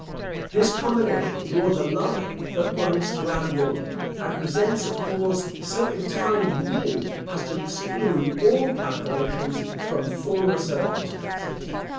This combination draws a line that runs throughout Europe, and presents a cause so entirely new as to exclude all calculations from former circumstances.